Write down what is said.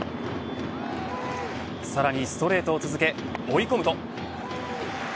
さらにストレートを続け追い込むと。